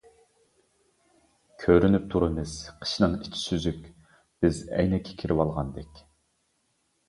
كۆرۈنۈپ تۇرىمىز قىشنىڭ ئىچى سۈزۈك، بىز ئەينەككە كىرىۋالغاندەك.